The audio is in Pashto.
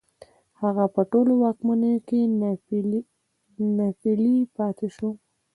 هغه په ټولو واکمنيو کې ناپېيلی پاتې شو